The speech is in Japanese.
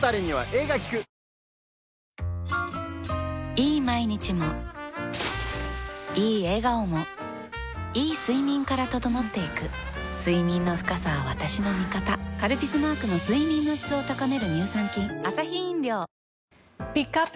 いい毎日もいい笑顔もいい睡眠から整っていく睡眠の深さは私の味方「カルピス」マークの睡眠の質を高める乳酸菌ピックアップ